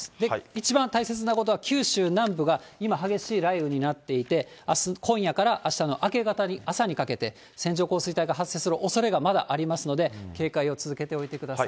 一番大切なことは、九州南部が今、激しい雷雨になっていて、あす、今夜からあしたの明け方に、朝にかけて、線状降水帯が発生するおそれが、まだありますので、警戒を続けておいてください。